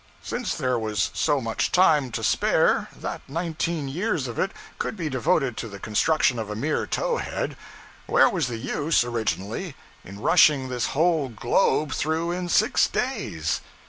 Since there was so much time to spare that nineteen years of it could be devoted to the construction of a mere towhead, where was the use, originally, in rushing this whole globe through in six days?